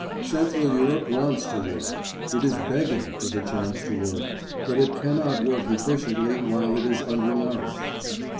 Central Europe wants to work. It is begging for the chance to work; but it cannot work efficiently while it is under nourished.